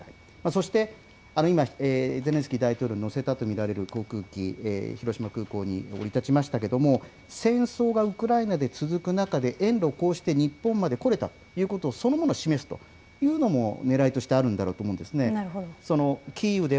そしてゼレンスキー大統領を乗せたと見られる航空機、広島空港に降り立ちましたけれども戦争がウクライナで続く中で遠路、こうして日本まで来られたということそのものを示すというのもねらいとしてあるんだろうと思うんです。